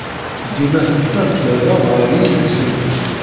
Dima tettabdaded ɣer yidis-nnes!